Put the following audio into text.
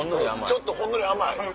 ちょっとほんのり甘い。